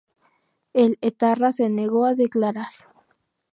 El etarra se negó a declarar.